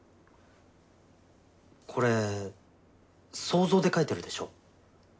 これ想像で描いてるでしょ？